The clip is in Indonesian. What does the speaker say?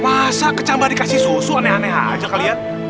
masa kecambah dikasih susu aneh aneh aja kalian